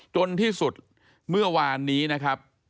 จนที่สุดเมื่อวานนี้นะครับ